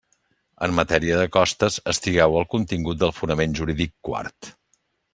En matèria de costes, estigueu al contingut del fonament jurídic quart.